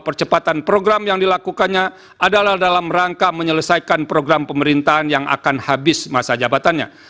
percepatan program yang dilakukannya adalah dalam rangka menyelesaikan program pemerintahan yang akan habis masa jabatannya